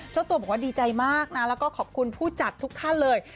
เจ้าตัวบอกว่าดีใจมากนะแล้วก็ขอบคุณผู้จัดทุกท่านเลย